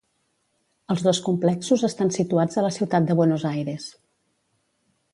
Els dos complexos estan situats a la ciutat de Buenos Aires.